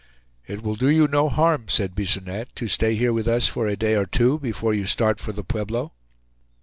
"It will do you no harm," said Bisonette, "to stay here with us for a day or two, before you start for the Pueblo."